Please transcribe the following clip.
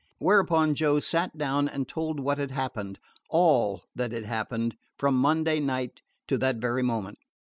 Whereupon Joe sat down and told what had happened all that had happened from Monday night to that very moment.